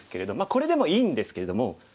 これでもいいんですけれども。